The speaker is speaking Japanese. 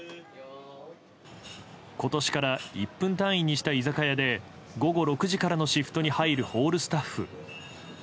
今年から１分単位にした居酒屋で午後６時からのシフトに入るホールスタッフ。